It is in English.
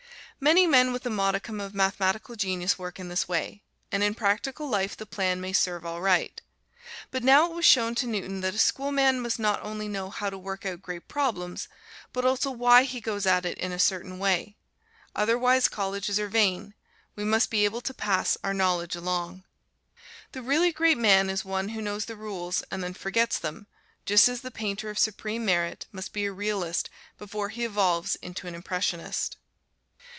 Many men with a modicum of mathematical genius work in this way, and in practical life the plan may serve all right. But now it was shown to Newton that a schoolman must not only know how to work out great problems, but also why he goes at it in a certain way; otherwise, colleges are vain we must be able to pass our knowledge along. The really great man is one who knows the rules and then forgets them, just as the painter of supreme merit must be a realist before he evolves into an impressionist.